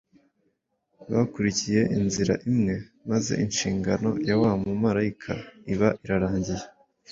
Bakurikiye inzira imwe maze inshingano ya wa mumarayika iba irarangiye